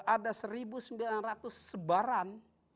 ada satu sembilan ratus sebaran